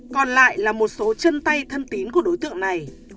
còn lại là một số chân tay thân tín của đối tượng này